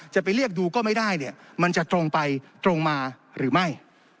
จะไปเรียกดูก็ไม่ได้เนี่ยมันจะตรงไปตรงมาหรือไม่